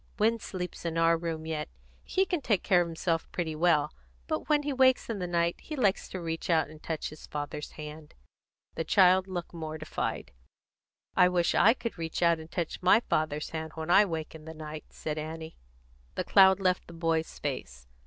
"Win sleeps in our room yet. He can take care of himself quite well. But when he wakes in the night he likes to reach out and touch his father's hand." The child looked mortified. "I wish I could reach out and touch my father's hand when I wake in the night," said Annie. The cloud left the boy's face.